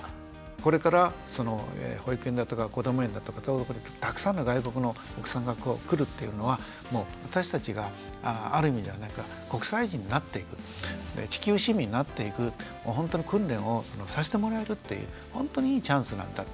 これから保育園だとかこども園だとかたくさんの外国のお子さんが来るっていうのは私たちがある意味では国際人になっていく地球市民になっていくほんとの訓練をさしてもらえるっていうほんとにいいチャンスなんだっていうね